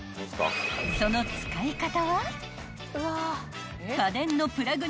［その使い方は］